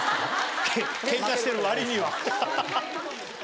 ケンカしてる割にはハハハ。